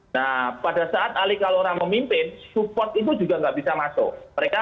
nah pada saat ali kalora memimpin support itu juga nggak bisa masuk